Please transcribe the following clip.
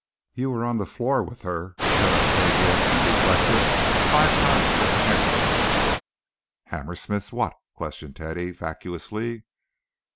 "You were on the floor with her," said Octavia, undeflected, "five times at the Hammersmiths'." "Hammersmiths' what?" questioned Teddy, vacuously.